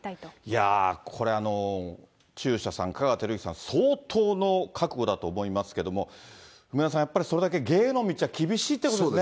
いや、これ、中車さん、香川照之さん、相当の覚悟だと思いますけども、梅沢さん、やっぱり芸の道は厳しいってことですね。